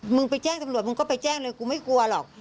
มึงไปแจ้งตำรวจมึงก็ไปแจ้งเลยกูไม่กลัวหรอก